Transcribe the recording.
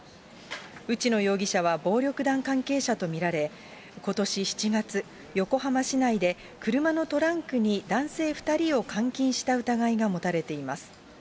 内野容疑者は、暴力団関係者と見られ、ことし７月、横浜市内で車のトランクに男性２人を監禁した疑いが持たれています。